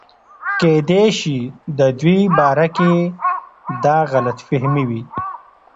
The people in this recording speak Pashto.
کېدے شي دَدوي باره کښې دا غلط فهمي وي